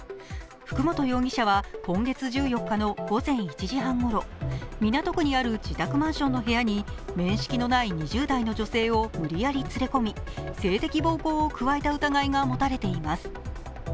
福本容疑者は今月１４日の午前１時半ごろ港区にある自宅マンションの部屋に面識のない２０代の女性を無理やり連れ込み性的暴行を加えた疑いが持たれています。